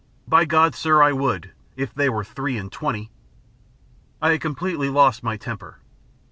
"By God, sir, I would, if they were three and twenty." I had completely lost my temper.